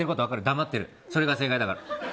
黙ってる、それが正解だから。